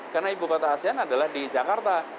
karena ibukota asean adalah di jakarta